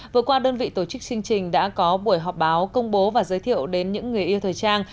vừa qua đơn vị tổ chức chương trình đã có buổi họp báo công bố và giới thiệu đến những người yêu thời trang